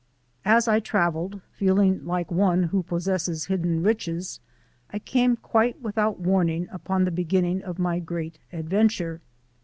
As I travelled, feeling like one who possesses hidden riches, I came quite without warning upon the beginning of my great adventure.